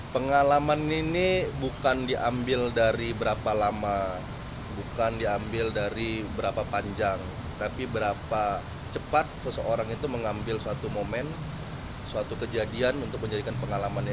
pengalaman ini bukan diambil dari berapa lama bukan diambil dari berapa panjang tapi berapa cepat seseorang itu mengambil suatu momen suatu kejadian untuk menjadikan pengalamannya